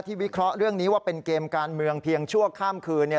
วิเคราะห์เรื่องนี้ว่าเป็นเกมการเมืองเพียงชั่วข้ามคืน